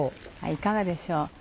いかがでしょう。